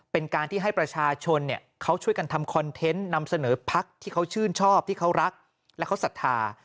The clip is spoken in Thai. เป็นการที่ให้ประชาชนเขาช่วยกันทำคอนเทนต์นำเสนอพักที่เขาชื่นชอบที่เขารักและเขาศรัทธา